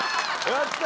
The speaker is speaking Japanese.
やった。